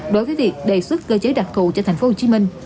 đối với việc đề xuất cơ chế đặc thù cho thành phố hồ chí minh